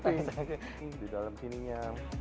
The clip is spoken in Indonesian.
oke di dalam sininya